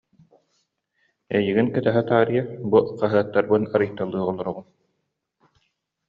Эйигин кэтэһэ таарыйа, бу хаһыаттарбын арыйталыы олоробун